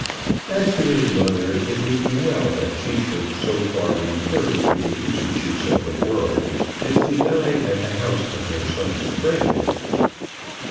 As to his mother, it would be well that she should so far return to the usages of the world as to dine at the house of her son's friend.